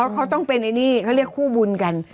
เขาต้องเป็นไอ้นี่เขาเรียกคู่บุญกัน